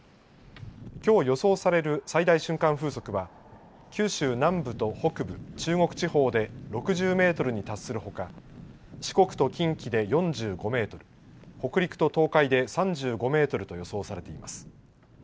きょう予想される最大瞬間風速は、九州南部と北部、中国地方で６０メートルに達するほか、四国と近畿で４５メートル、北陸と東海で３５メートルと予想されています。